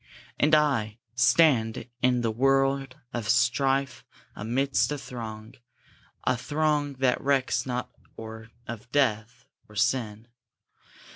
And I, Stand in the world of strife, amidst a throng, A throng that recks not or of death, or sin!